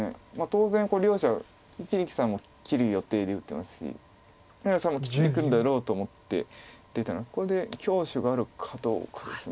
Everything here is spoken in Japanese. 当然両者一力さんも切る予定で打っていますし上野さんも切ってくるだろうと思って出たのでここで強手があるかどうかです。